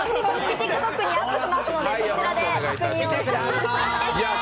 ＴｉｋＴｏｋにアップしますのでそちらで確認をお願いします。